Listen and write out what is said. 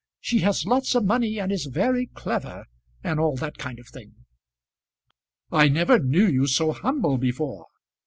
She has lots of money, and is very clever, and all that kind of thing." "I never knew you so humble before."